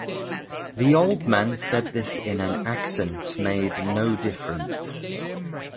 The old man said this in an accent made no difference.